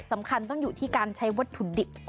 สำคัญต้องอยู่ที่การใช้วัตถุดิบ